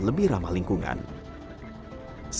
di sini rekomendasi yang sudah kami atasi